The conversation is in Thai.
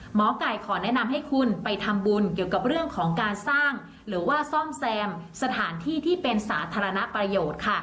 หมอไก่ขอแนะนำให้คุณไปทำบุญเกี่ยวกับเรื่องของการสร้างหรือว่าซ่อมแซมสถานที่ที่เป็นสาธารณประโยชน์ค่ะ